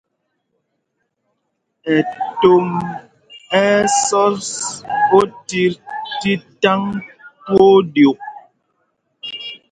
Ɛtom ɛ́ ɛ́ sɔs otit tí taŋ twóó ɗyûk.